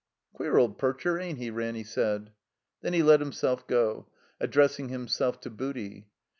"Queer old percher, ain't he?" Ranny said. Then he let himself go, addressing himself to Booty.